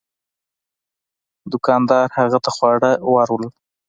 دوکاندار هغه ته خواړه ور وړل.